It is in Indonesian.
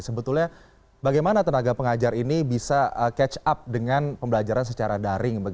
sebetulnya bagaimana tenaga pengajar ini bisa catch up dengan pembelajaran secara daring